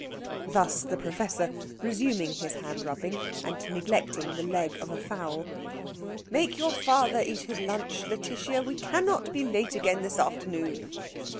Thus the Professor, resuming his hand rubbing, and neglecting the leg of a fowl. "Make your father eat his lunch, Lætitia. We cannot be late again this afternoon."